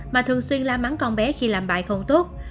mà thường xuyên la mắn con bé khi làm bài không tốt